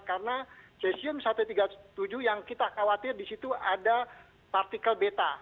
karena cesium satu ratus tiga puluh tujuh yang kita khawatir di situ ada partikel beta